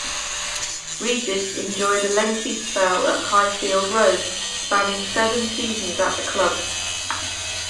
Regis enjoyed a lengthy spell at Highfield Road, spanning seven seasons at the club.